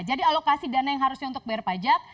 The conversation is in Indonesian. jadi alokasi dana yang harusnya untuk bayar pajak